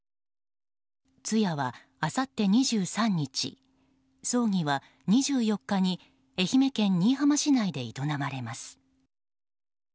通夜はあさって２３日葬儀は２４日に愛媛県新居浜市内で営まれます。